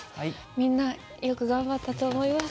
みんなよく頑張ったと思います。